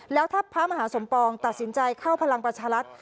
แล้วถ้าพระมหาสมปองตัดสินใจเข้าพลังประชารัฐ